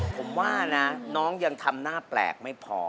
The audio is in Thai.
ผมว่านะน้องยังทำหน้าแปลกไม่พอ